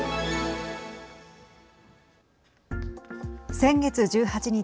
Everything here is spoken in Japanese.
先月１８日